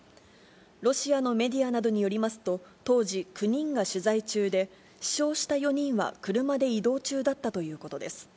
ロシアのメディアなどによりますと、当時９人が取材中で、死傷した４人は車で移動中だったということです。